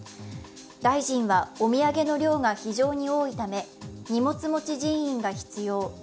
大臣は、お土産の量が非常に多いため、荷物持ち人員が必要。